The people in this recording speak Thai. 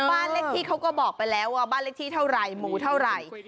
บ้านเลขที่เขาก็บอกไปแล้วว่าบ้านเลขที่เท่าไหร่หมูเท่าไหร่